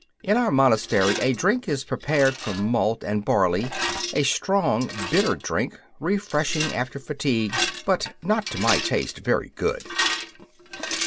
In our monastery a drink is prepared from malt and barley a strong, bitter drink, refreshing after fatigue, but not, to my taste, very good.